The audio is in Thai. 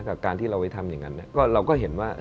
กับการที่เราไปทำอย่างนั้นเราก็เห็นว่า